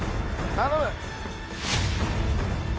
頼む！